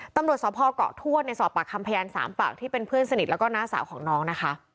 ตำรวจสภเกาะทวดในสอบปากคำพยาน๓ปากที่เป็นเพื่อนสนิทแล้วก็น้าสาวของน้องนะคะ